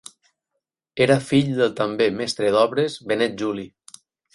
Era fill del també mestre d'obres Benet Juli.